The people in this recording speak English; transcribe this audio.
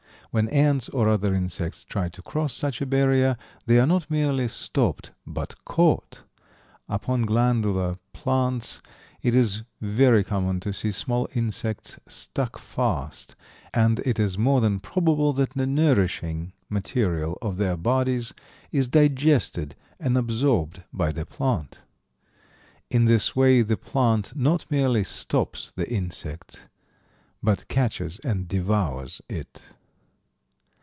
When ants or other insects try to cross such a barrier they are not merely stopped but caught. Upon "glandular" plants it is very common to see small insects stuck fast, and it is more than probable that the nourishing material of their bodies is digested and absorbed by the plant. In this way the plant not merely stops the insect, but catches and devours it.